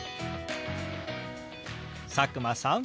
佐久間さん